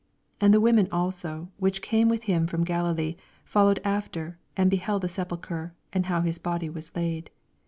65 And the women also, which came with him from Galilee, followed after, and beheld the sepulchre, and how his body was laid.